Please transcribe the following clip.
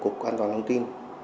của cục an toàn thông tin